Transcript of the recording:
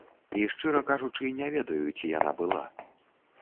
І шчыра кажучы, не ведаю, ці яна была.